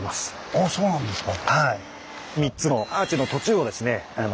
ああそうなんですか。